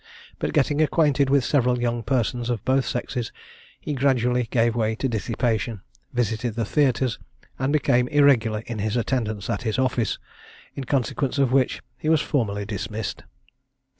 But, getting acquainted with several young persons of both sexes, he gradually gave way to dissipation, visited the theatres, and became irregular in his attendance at his office, in consequence of which he was formally dismissed.